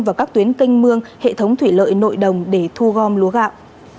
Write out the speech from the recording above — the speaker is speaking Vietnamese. và các tuyến kênh mương hệ thống thủy lợi nội đồng để thu gom lúa gạo